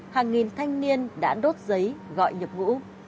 hàng nghìn thanh niên đã đốt giấy gọi nhập ngũ